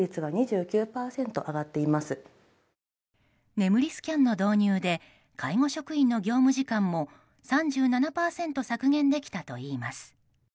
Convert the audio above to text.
眠りスキャンの導入で介護職員の業務時間も３７％削減できたといいます。